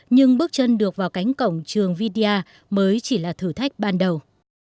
nhưng bước chân được vào cánh cổng trường vidia mới chỉ là thử thách ban đầu